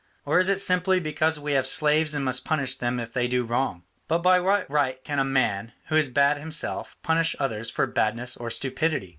Or is it simply because we have slaves and must punish them if they do wrong? But by what right can a man, who is bad himself, punish others for badness or stupidity?